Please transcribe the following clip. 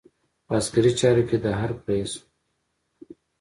په عسکري چارو کې د حرب رئیس وو.